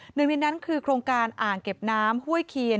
หนึ่งในนั้นคือโครงการอ่างเก็บน้ำห้วยเคียน